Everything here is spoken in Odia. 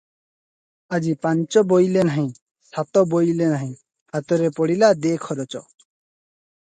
ଆଜି ପାଞ୍ଚ ବୋଇଲେ ନାହିଁ, ସାତ ବୋଇଲେ ନାହିଁ, ହାତରେ ପଡିଲା ଦେ ଖରଚ ।